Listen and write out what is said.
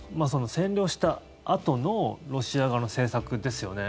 戦争したあとのロシア側の政策ですよね。